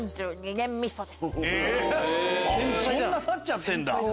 そんなたっちゃってんだ。